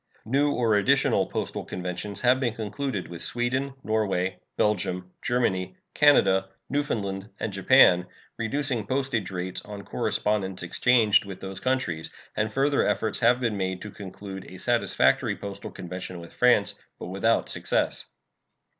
New or additional postal conventions have been concluded with Sweden, Norway, Belgium, Germany, Canada, Newfoundland, and Japan, reducing postage rates on correspondence exchanged with those countries; and further efforts have been made to conclude a satisfactory postal convention with France, but without success.